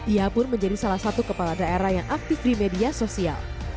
ia pun menjadi salah satu kepala daerah yang aktif di media sosial